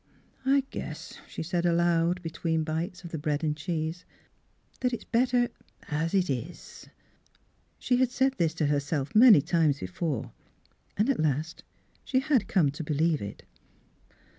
" I guess," she said aloud between bites of the bread and cheese, " that it's better as it is." She had said this to herself many times before, and at last she had come to believe it.